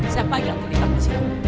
siapa yang terlibat di sini